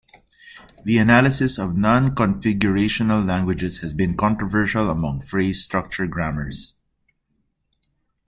The analysis of non-configurational languages has been controversial among phrase structure grammars.